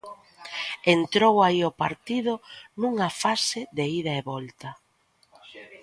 Entrou aí o partido nunha fase de ida e volta.